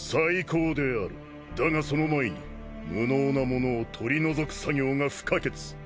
だがその前に無能なものを取り除く作業が不可欠。